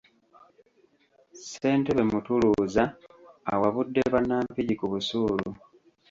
Ssentebe Mutuluuza awabudde bannampigi ku busuulu.